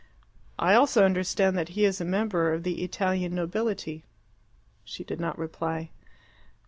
"I also understand that he is a member of the Italian nobility." She did not reply.